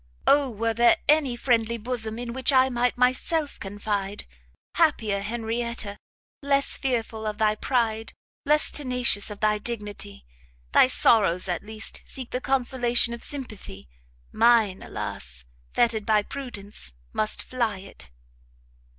Oh were there any friendly bosom, in which I might myself confide! happier Henrietta! less fearful of thy pride, less tenacious of thy dignity! thy sorrows at least seek the consolation of sympathy, mine, alas! fettered by prudence, must fly it!"